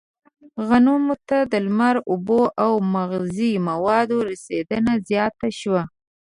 غنمو ته د لمر، اوبو او مغذي موادو رسېدنه زیاته شوه.